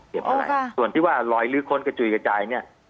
เก็บอะไรโอ้ค่ะส่วนที่ว่าลอยลื้อคนกระจุยกระจายเนี่ย